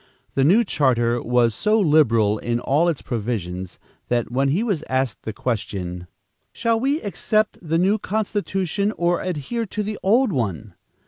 The new charter was so liberal in all its provisions, that when he asked the question: "Shall we accept the new constitution or adhere to the old one?"